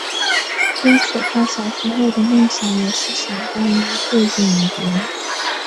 因此他小时候的梦想也是想当一个演员。